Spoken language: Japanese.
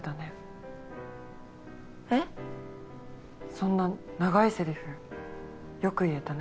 そんな長いせりふよく言えたね。